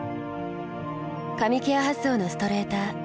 髪ケア発想のストレーター。